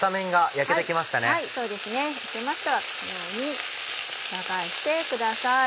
焼けましたらこのように裏返してください。